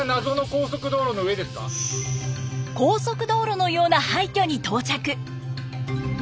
高速道路のような廃虚に到着。